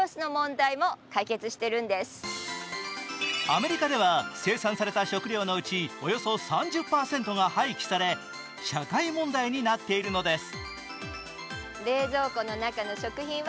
アメリカでは、生産された食料のうちおよそ３０％が廃棄され社会問題になっているのです。